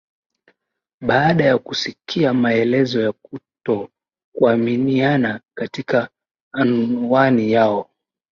baada ya kusikia maelezo ya kutokuaminiana katika anwani yao